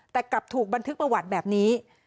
แต่กลับถูกบันทึกประวัติแบบนี้